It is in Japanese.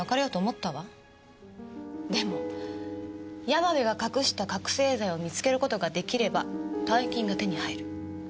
でも山部が隠した覚せい剤を見つけることができれば大金が手に入る。